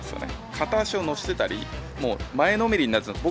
片足を乗せてたり、もう前のめりになってたんです。